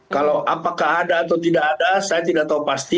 kalau apakah ada atau tidak ada saya tidak tahu pasti